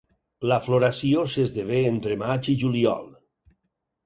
La floració s'esdevé entre maig i juliol.